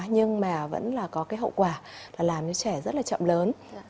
nhưng mà vẫn là có cái hậu quả là làm cho trẻ rất là chậm lớn